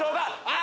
あ！